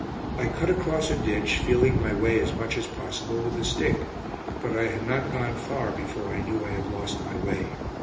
I cut across a ditch, feeling my way as much as possible with a stick. But I had not gone far before I knew I had lost my way.